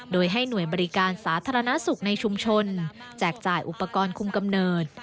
โดยให้หน่วยบริการสาธารณสุขในชุมชนแจกจ่ายอุปกรณ์คุมกำเนิด